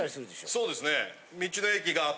そうですね。